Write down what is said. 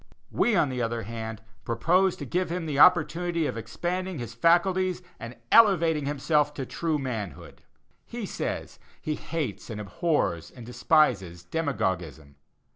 We, on the other hand, propose to give him the opportunity of expanding his faculties and elevating himself to true manhood. He says he "hates and abhors and despises demagogism."